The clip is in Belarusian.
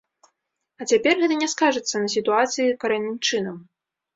А цяпер гэта не скажацца на сітуацыі карэнным чынам.